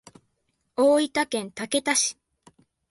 大分県竹田市